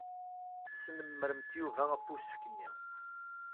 Tesnemmremt Yuba ɣef usefk-nni.